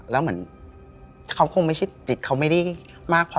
แล้วเหมือนเขาคงไม่ใช่จิตเขาไม่ได้มากพอ